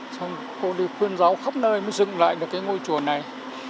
xong cô đi khuyên giáo khắp nơi mới dựng lại được cái ngôi chùa này